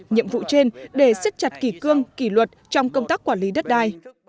nhiệm vụ trên để xếp chặt kỳ cương kỳ luật trong công tác quản lý đất đai